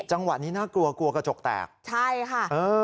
จังหวะนี้น่ากลัวกลัวกระจกแตกใช่ค่ะเออ